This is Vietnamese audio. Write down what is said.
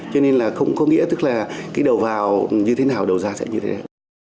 cho nên là không có nghĩa tức là cái đầu vào như thế nào đầu ra sẽ như thế nào